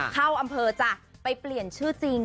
เข้าอำเภอจ้ะไปเปลี่ยนชื่อจริง